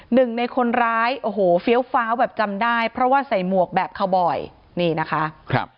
หนึ่งในคนร้ายโอ้โหเฟี้ยวฟ้าวแบบจำได้เพราะว่าใส่หมวกแบบคาวบอยนี่นะคะครับ